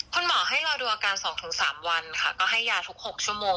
คุณหมอให้รอดูอาการ๒๓วันค่ะก็ให้ยาทุก๖ชั่วโมง